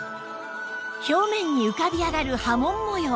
表面に浮かび上がる波紋模様